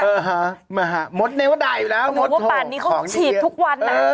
เออฮะมหาหมดเนวไว้ไหว้แล้วหมดคงหรือว่าปานนี้เขาฉีดทุกวันน่ะ